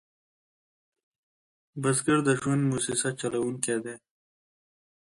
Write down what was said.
بزګر د ژوند موسسه چلوونکی دی